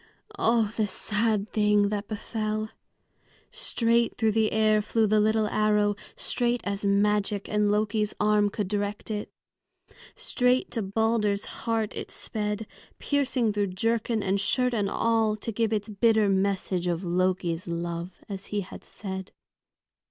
Oh, the sad thing that befell! Straight through the air flew the little arrow, straight as magic and Loki's arm could direct it. Straight to Balder's heart it sped, piercing through jerkin and shirt and all, to give its bitter message of "Loki's love," as he had said.